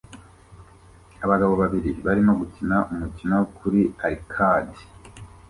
Abagabo babiri barimo gukina umukino kuri arcade